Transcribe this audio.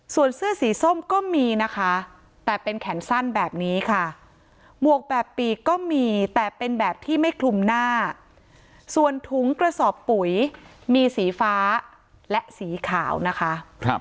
ส่วนเสื้อสีส้มก็มีนะคะแต่เป็นแขนสั้นแบบนี้ค่ะหมวกแบบปีกก็มีแต่เป็นแบบที่ไม่คลุมหน้าส่วนถุงกระสอบปุ๋ยมีสีฟ้าและสีขาวนะคะ